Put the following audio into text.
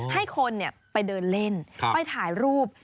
ให้คนไปเดินเล่นไปถ่ายรูป